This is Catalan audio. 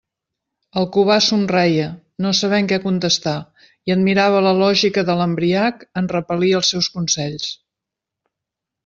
El Cubà somreia, no sabent què contestar, i admirava la lògica de l'embriac en repel·lir els seus consells.